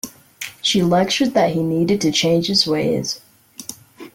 She lectured that he needed to change his ways.